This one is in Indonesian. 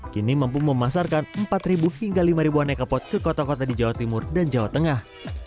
kini mampu memasarkan empat hingga lima aneka pot ke kota kota di jawa timur dan jawa tengah